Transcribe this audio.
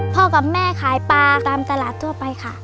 กับแม่ขายปลาตามตลาดทั่วไปค่ะ